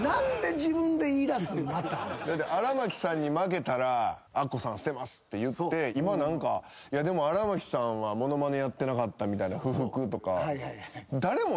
だって荒牧さんに負けたらアッコさん捨てますって言って今何か荒牧さんはモノマネやってなかったみたいな不服とか。